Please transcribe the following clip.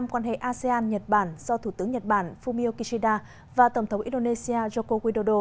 quan hệ asean nhật bản do thủ tướng nhật bản fumio kishida và tổng thống indonesia joko widodo